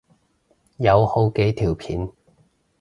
有好幾條片